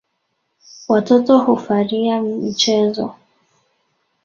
Watoto hufaria michezo.